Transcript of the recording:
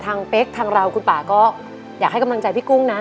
เป๊กทางเราคุณป่าก็อยากให้กำลังใจพี่กุ้งนะ